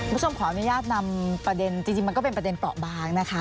คุณผู้ชมขออนุญาตนำประเด็นจริงมันก็เป็นประเด็นเปราะบางนะคะ